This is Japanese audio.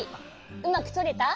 うまくとれた？